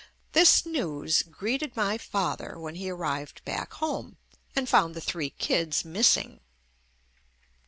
This news greeted my father when he arrived back home and found the three kids missing.